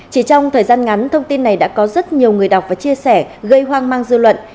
chỉ trong thời gian ngắn thông tin này đã có rất nhiều người đọc và chia sẻ gây hoang mang dư luận